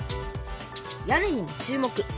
屋根にも注目。